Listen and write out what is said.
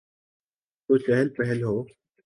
تو چہل پہل ہو۔